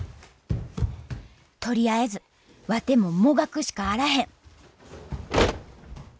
とりあえずワテももがくしかあらへん